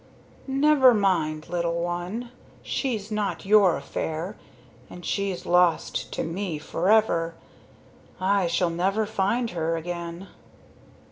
"Never mind, little one. She's not your affair, and she's lost to me forever. I shall never find her again."